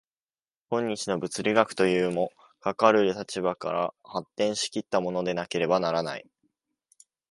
今日の物理学というも、かかる立場から発展し来ったものでなければならない。